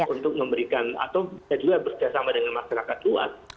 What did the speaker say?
untuk memberikan atau bersama dengan masyarakat luas